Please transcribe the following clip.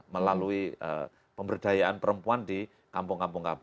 melalui pemberdayaan perempuan di kampung kampung kb